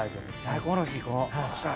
・大根おろしいこう。